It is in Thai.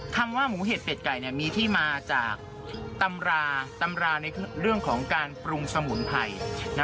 คำว่าหมูเห็ดเป็ดไก่มีที่มาจากตำราตำราในเรื่องของการปรุงสมุนไพร